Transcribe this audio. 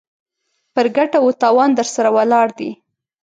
پر ګټه و تاوان درسره ولاړ دی.